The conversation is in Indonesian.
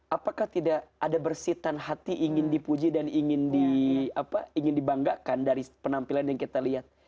apakah tidak ada bersihan hati ingin dipuji dan ingin dibanggakan dari penampilan yang kita lihat